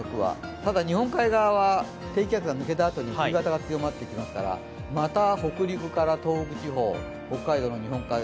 ただ、日本海側は低気圧が抜けたあとに冬型が強まってきますから、また北陸から東北地方北海道の日本海側